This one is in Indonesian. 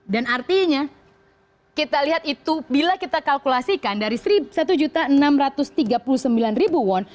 artinya kita lihat itu bila kita kalkulasikan dari satu enam ratus tiga puluh sembilan won